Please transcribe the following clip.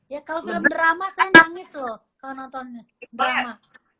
ya kalau film drama saya nangis loh kalau nontonnya drama